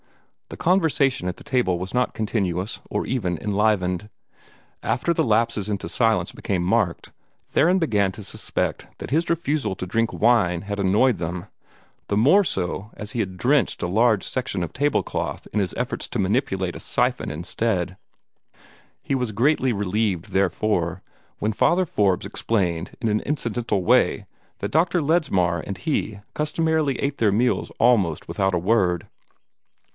The conversation at the table was not continuous, or even enlivened. After the lapses into silence became marked, Theron began to suspect that his refusal to drink wine had annoyed them the more so as he had drenched a large section of table cloth in his efforts to manipulate a siphon instead. He was greatly relieved, therefore, when Father Forbes explained in an incidental way that Dr. Ledsmar and he customarily ate their meals almost without a word.